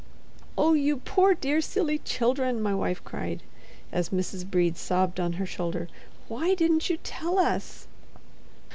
"Oh, you poor, dear, silly children!" my wife cried, as Mrs. Brede sobbed on her shoulder, "why didn't you tell us?"